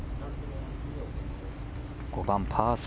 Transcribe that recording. ５番、パー３。